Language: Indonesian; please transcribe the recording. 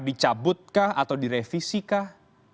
dicabut kah atau direvisi kah